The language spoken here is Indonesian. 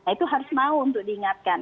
itu harus mau untuk diingatkan